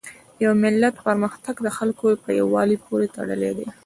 د یو ملت پرمختګ د خلکو په یووالي پورې تړلی دی.